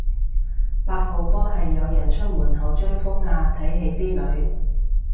八號波係有人出門口追風啊睇戲之類